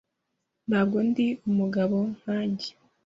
Ntabwo ndi umugabo nkanjye.